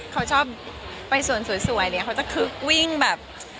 เขาชอบไปส่วนสวยเนี่ยเขาจะคึกวิ่งแบบ